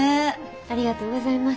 ありがとうございます。